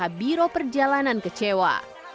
pengusaha biro perjalanan kecewa